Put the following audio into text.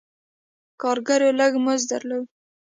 کارګرو لږ مزد درلود.